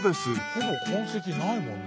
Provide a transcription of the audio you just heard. ほぼ痕跡ないもんね。